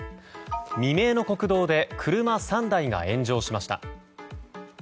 未明の国道で車３台が炎上しました。